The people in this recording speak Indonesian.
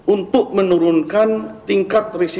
untuk membangun lingkungan pendukung yang lebih kuat bagi investasi